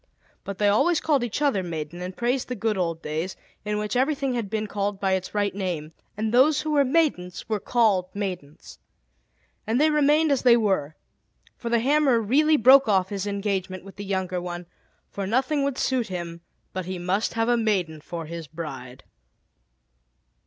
But they always called each other "maiden," and praised the good old days in which everything had been called by its right name, and those who were maidens were called maidens. And they remained as they were; for the hammer really broke off his engagement with the younger one, for nothing would suit him but he must have a maiden for his bride.